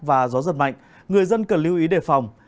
và gió giật mạnh người dân cần lưu ý đề phòng